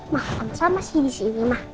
ma kamu selama sih disini ma